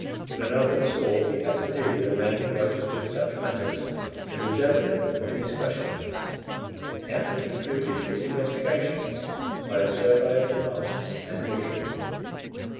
Glenarvan saw he had to do with a man who understood such matters, as was evident from his questions. Ayrton concluded his investigations by a survey of the masts and rigging.